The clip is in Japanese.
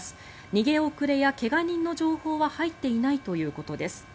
逃げ遅れや怪我人の情報は入っていないということです。